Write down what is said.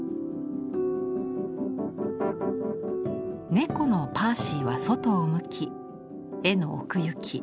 猫のパーシーは外を向き絵の奥行き